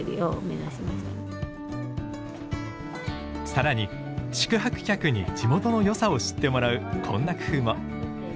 更に宿泊客に地元の良さを知ってもらうこんな工夫も。